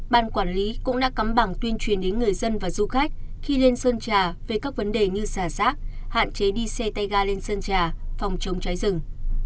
ban quản lý cũng đã cắm bảng tuyên truyền đến người dân và du khách khi lên sơn trà về các vấn đề như xả rác hạn chế đi xe tay ga lên sơn trà phòng chống cháy rừng